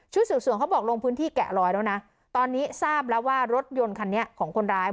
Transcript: สื่อส่วนเขาบอกลงพื้นที่แกะรอยแล้วนะตอนนี้ทราบแล้วว่ารถยนต์คันนี้ของคนร้าย